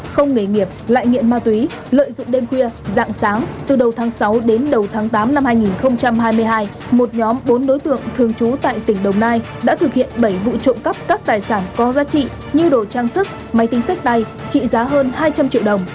không nghề nghiệp lại nghiện ma túy lợi dụng đêm khuya dạng sáng từ đầu tháng sáu đến đầu tháng tám năm hai nghìn hai mươi hai một nhóm bốn đối tượng thường trú tại tỉnh đồng nai đã thực hiện bảy vụ trộm cắp các tài sản có giá trị như đồ trang sức máy tính sách tay trị giá hơn hai trăm linh triệu đồng